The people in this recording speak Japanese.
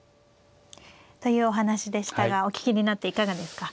というお話でしたがお聞きになっていかがですか。